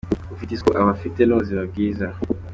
Ufite isuku aba afite n’ubuzima bwiza